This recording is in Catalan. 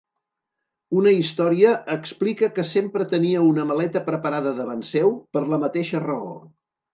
Una història explica que sempre tenia una maleta preparada davant seu, per la mateixa raó.